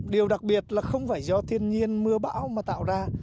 điều đặc biệt là không phải do thiên nhiên mưa bão mà tạo ra